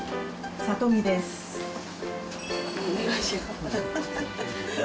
お願いします。